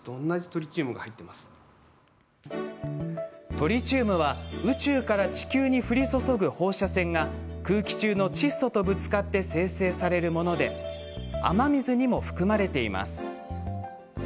トリチウムは宇宙から地球に降り注ぐ放射線が空気中の窒素とぶつかって生成されるもので雨水にも含まれています。